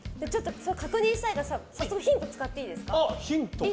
確認したいからヒント使っていいですか？